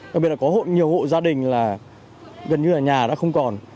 đặc biệt là có nhiều hộ gia đình là gần như là nhà đã không còn